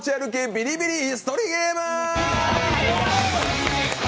「ビリビリ椅子取りゲーム」！